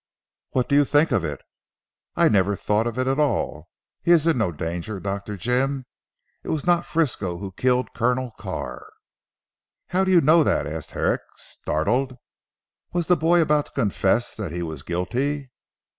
"What do you think of it?" "I never thought of it at all. He is in no danger, Dr. Jim. It was not Frisco who killed Colonel Carr." "How do you know that?" asked Herrick startled. Was the boy about to confess that he was guilty.